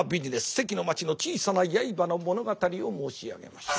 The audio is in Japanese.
関の町の小さな刃の物語を申し上げました。